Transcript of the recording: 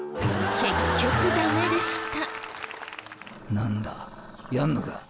結局ダメでした。